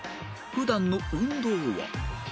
普段の運動は？